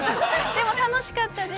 でも、楽しかったです。